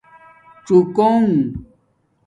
څݸکݸنݣ